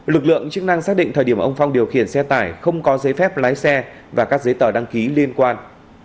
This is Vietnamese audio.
lực lượng chức năng xác định thời điểm ông phong điều khiển xe tải không có giấy phép lái xe và các giấy tờ đăng ký liên quan